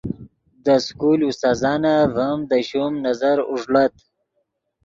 دے سکول استاذانف ڤیم دے شوم نظر اوݱڑت